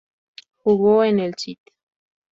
Jugó en el St.